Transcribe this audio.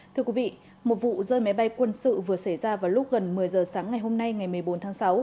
thưa quý vị một vụ rơi máy bay quân sự vừa xảy ra vào lúc gần một mươi giờ sáng ngày hôm nay ngày một mươi bốn tháng sáu